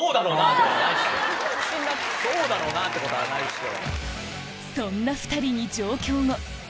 「そうだろうなぁ」ってことはないでしょ！